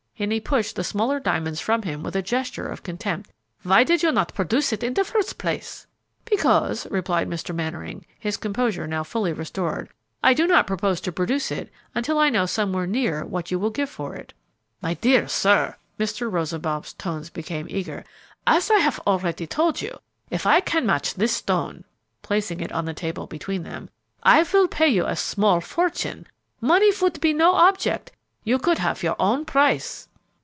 and he pushed the smaller diamonds from him with a gesture of contempt. "Why did you not produce it in the first place?" "Because," replied Mr. Mannering, his composure now fully restored, "I do not propose to produce it until I know somewhere near what you will give for it." "My dear sir," Mr. Rosenbaum's tones became eager, "as I have already told you, if I can match this stone," placing it on the table between them, "I will pay you a small fortune; money would be no object; you could have your own price."